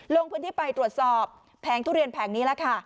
ลงพื้นที่ไปตรวจสอบแผงทุเรียนแผงนี้แล้วค่ะ